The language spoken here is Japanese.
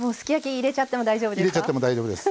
入れちゃっても大丈夫です。